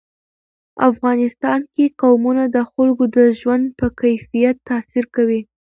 افغانستان کې قومونه د خلکو د ژوند په کیفیت تاثیر کوي.